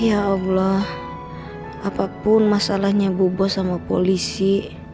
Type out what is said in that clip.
ya allah apapun masalahnya bu bos sama polisi